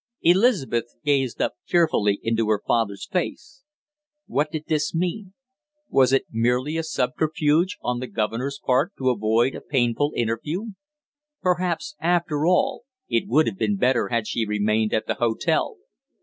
Elizabeth gazed up fearfully into her father's face. What did this mean; was it merely a subterfuge on the governor's part to avoid a painful interview? Perhaps, after all, it would have been better had she remained at the hotel.